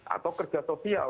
atau kerja sosial